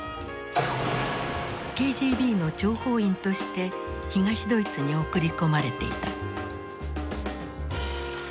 ＫＧＢの諜報員として東ドイツに送り込まれていた。